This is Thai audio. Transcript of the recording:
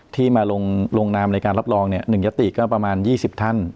ที่มาลงนามในการรับรองเนี่ยหนึ่งยศติก็ประมาณ๒๐ท่าน